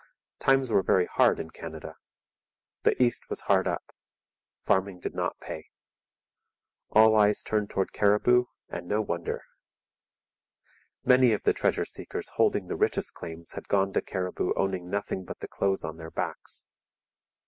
Times were very hard in Canada. The East was hard up. Farming did not pay. All eyes turned towards Cariboo; and no wonder! Many of the treasure seekers holding the richest claims had gone to Cariboo owning nothing but the clothes on their backs.